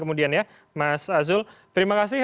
kemudian ya mas azul terima kasih